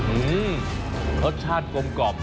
อืมรสชาติกลมกรอบ